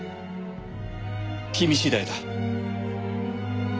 君次第だ。